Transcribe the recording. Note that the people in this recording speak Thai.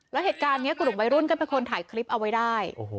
แล้วเหตุการณ์นี้กลุ่มวัยรุ่นก็เป็นคนถ่ายคลิปเอาไว้ได้